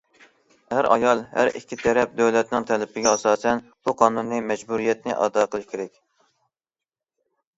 ئەر- ئايال ھەر ئىككى تەرەپ دۆلەتنىڭ تەلىپىگە ئاساسەن، بۇ قانۇنىي مەجبۇرىيەتنى ئادا قىلىشى كېرەك.